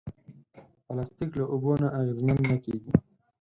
پلاستيک له اوبو نه اغېزمن نه کېږي.